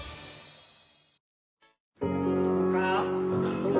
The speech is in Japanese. そうか。